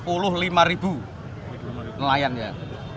eh dua puluh lima ribu nelayan ya